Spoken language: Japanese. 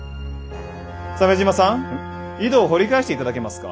鮫島さん井戸を掘り返していただけますか？